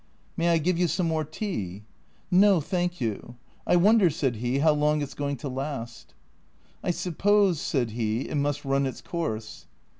" May I give you some more tea ?"" No, thank you. I wonder," said he, " how long it 's going to last." " I suppose," said he, " it must run its course."